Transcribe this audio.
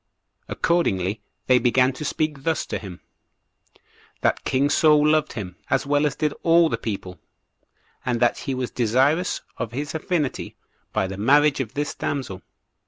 Accordingly, they began to speak thus to him: That king Saul loved him, as well as did all the people, and that he was desirous of his affinity by the marriage of this damsel.